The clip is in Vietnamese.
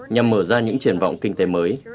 nhằm mở ra những triển vọng kinh tế mới